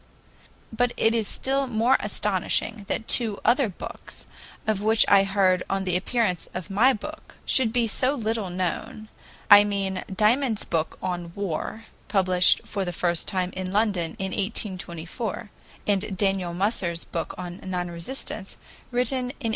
But it is still more astonishing that two other books, of which I heard on the appearance of my book, should be so little known, I mean Dymond's book "On War," published for the first time in London in 1824, and Daniel Musser's book on "Non resistance," written in 1864.